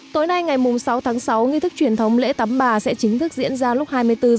tối nay ngày sáu tháng sáu nghi thức truyền thống lễ tắm bà sẽ chính thức diễn ra lúc hai mươi bốn h